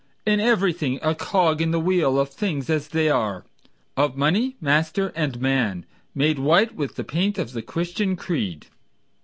In everything a cog in the wheel of things as they are: Of money, master and man, made white With the paint of the Christian creed.